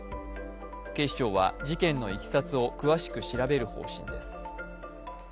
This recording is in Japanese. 警視庁は事件のいきさつを詳しく調べる方針です。